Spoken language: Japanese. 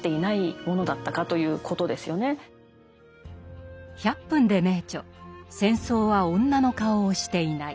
どれだけこの「１００分ｄｅ名著」「戦争は女の顔をしていない」。